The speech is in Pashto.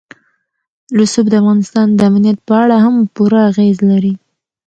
رسوب د افغانستان د امنیت په اړه هم پوره اغېز لري.